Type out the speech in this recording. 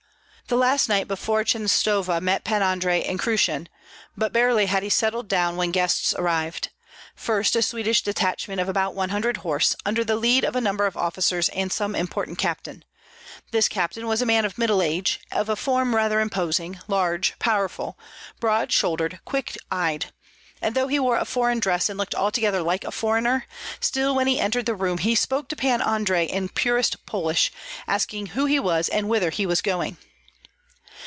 The last night before Chenstohova met Pan Andrei in Krushyn; but barely had he settled down when guests arrived. First a Swedish detachment of about one hundred horse, under the lead of a number of officers and some important captain. This captain was a man of middle age, of a form rather imposing, large, powerful, broad shouldered, quick eyed; and though he wore a foreign dress and looked altogether like a foreigner, still when he entered the room he spoke to Pan Andrei in purest Polish, asking who he was and whither he was going.